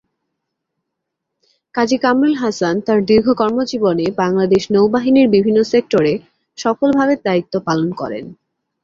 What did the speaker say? কাজী কামরুল হাসান তার দীর্ঘ কর্মজীবনে বাংলাদেশ নৌবাহিনীর বিভিন্ন সেক্টরে সফলভাবে দায়িত্ব পালন করেন।